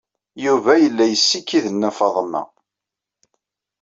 Yuba yella yessikid Nna Faḍma.